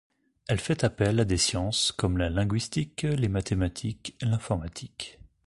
Elle fait appel à des sciences comme la linguistique, les mathématiques, l’informatique.